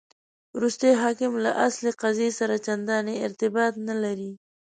وروستی حکم له اصل قضیې سره چنداني ارتباط نه لري.